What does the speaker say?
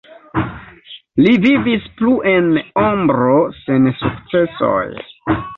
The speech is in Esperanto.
Li vivis plu en "ombro" sen sukcesoj.